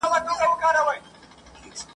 وايي ګناه ده فعل د کفار دی !.